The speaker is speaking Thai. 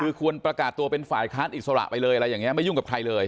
คือควรประกาศตัวเป็นฝ่ายค้านอิสระไปเลยอะไรอย่างนี้ไม่ยุ่งกับใครเลย